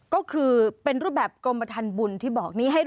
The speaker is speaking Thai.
ก็คือเป็นรูปแบบกรมประทันบุญที่บอกนี้